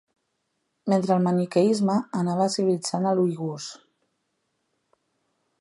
Mentre el maniqueisme anava civilitzant als uigurs.